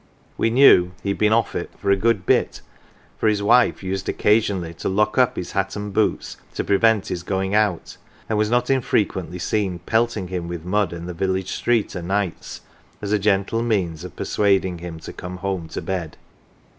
We knew he had been " off it " for a good bit, for his wife used occasionally to lock up his hat and boots to prevent his going out, and was not infre quently seen pelting him with mud in the village street "o" 1 nights," as a gentle means of persuading him to 52 CELEBRITIES come home to bed.